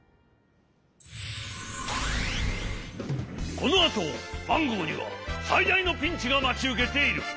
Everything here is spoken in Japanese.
このあとマンゴーにはさいだいのピンチがまちうけている。